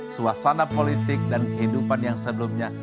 suasana politik dan kehidupan yang sebelumnya